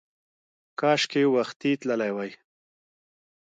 کاشکې وختي تللی وای!